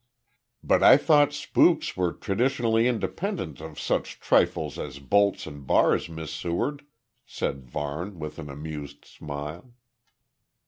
"But I thought spooks were traditionally independent of such trifles as bolts and bars, Miss Seward," said Varne with an amused smile.